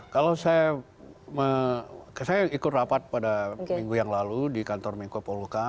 kalau saya ikut rapat pada minggu yang lalu di kantor menko polhuka